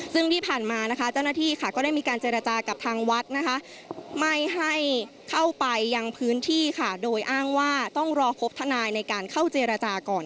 ซึ่งที่ผ่านมานะคะเจ้าหน้าที่ค่ะก็ได้มีการเจรจากับทางวัดนะคะไม่ให้เข้าไปยังพื้นที่ค่ะโดยอ้างว่าต้องรอพบทนายในการเข้าเจรจาก่อน